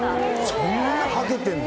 そんなかけてるの？